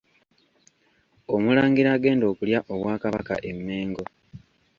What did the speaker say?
Omulangira agenda okulya Obwakabaka e Mengo.